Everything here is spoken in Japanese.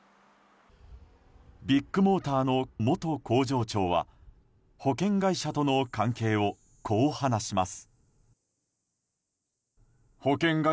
ビッグモーターの元工場長は保険会社との関係をこう話します。